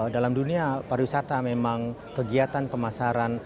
dalam dunia pariwisata memang kegiatan pemasaran